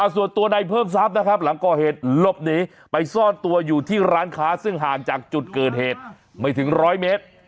ส่วนตัวในเพิ่มทรัพย์นะครับหลังก่อเหตุหลบหนีไปซ่อนตัวอยู่ที่ร้านค้าซึ่งห่างจากจุดเกิดเหตุไม่ถึง๑๐๐เมตร